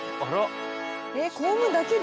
えっコームだけでしょ？